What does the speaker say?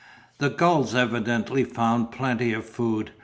The gulls evidently found plenty of food.